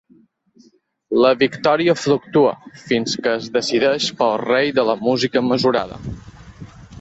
La victòria fluctua, fins que es decideix pel rei de la música mesurada.